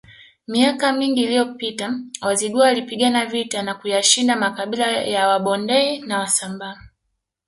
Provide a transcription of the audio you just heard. Miaka mingi iliyopita Wazigua walipigana vita na kuyashinda makabila ya Wabondei na Wasambaa